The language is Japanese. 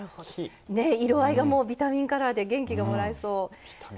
色合いがビタミンカラーで元気がもらえそう。